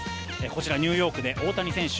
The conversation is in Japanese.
こちら、ニューヨークで大谷選手